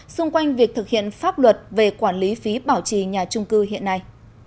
xung quanh việc thực hiện pháp luật về quản lý phí bảo trì nhà trung cư hiện nay